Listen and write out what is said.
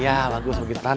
iya bagus waited